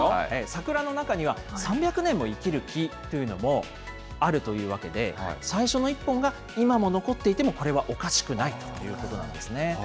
桜の中には３００年も生きる木っていうのもあるというわけで、最初の１本が今も残っていてもこれはおかしくないということなんですね。